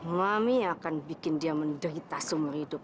mami akan bikin dia menderita seumur hidup